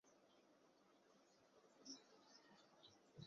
মাওলানা মুহাম্মদ কাসেম নানুতুবি তাদের প্রধান ছিলেন।